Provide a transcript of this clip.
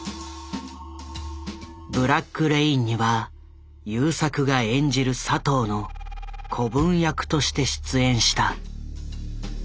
「ブラック・レイン」には優作が演じる佐藤の子分役として出演した。